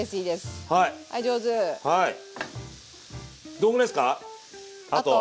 どんぐらいですかあと？